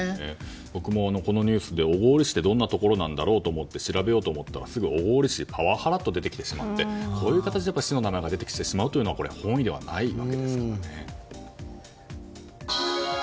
僕もこのニュースで小郡市ってどんなところかと調べようと思ったらすぐ小郡市、パワハラと出てきてしまって、こういう形で市の名前が出てしまうのは不本意じゃないですよね。